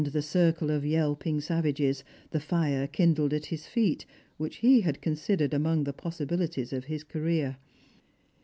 the circle of yelping savages, the fire kindled at his feet, which he had considered among the jjossibilities of his career.